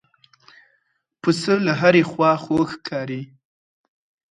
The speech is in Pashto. پسه له هرې خوا خوږ ښکاري.